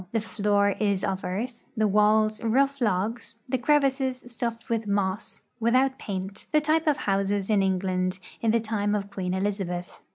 The floor is of earth ; the walls, rough logs, the crevices stuffed with moss, without paint — the type of houses in England in the time of Queen Elizabeth.